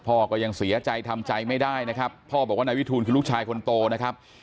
พ่อก็ยังเสียใจทำใจไม่ได้นะครับพ่อบอกว่านายวิทูลคือลูกชายคนโตนะครับ